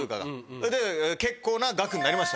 それで結構な額になりました。